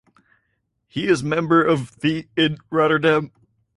He is member of the in Rotterdam.